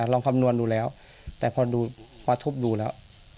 คำนวณดูแล้วแต่พอทุบดูแล้ว